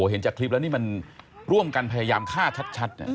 เห็นจากคลิปแล้วนี่มันร่วมกันพยายามฆ่าชัด